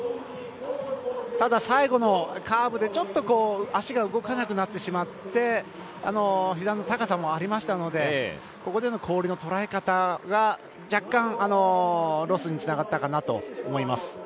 ただ、最後のカーブでちょっと足が動かなくなってしまってひざの高さもありましたのでここでの氷の捉え方が若干、ロスにつながったかなと思います。